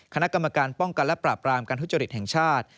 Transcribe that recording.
คณะกรรมการป้องกันและปราบรามการทุจริตแห่งชาติ